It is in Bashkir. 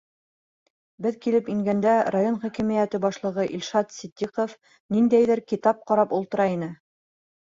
Беҙ килеп ингәндә район хакимиәте башлығы Илшат Ситдиҡов ниндәйҙер китап ҡарап ултыра ине.